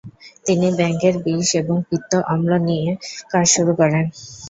তিনি ব্যাঙের বিষ এবং পিত্ত অম্ল নিয়ে কাজ শুরু করেন।